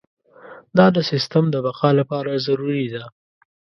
دا د سیستم د بقا لپاره ضروري ده.